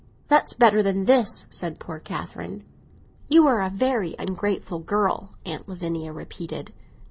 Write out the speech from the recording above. That's better than this," said poor Catherine. "You are a very ungrateful girl," Aunt Lavinia repeated.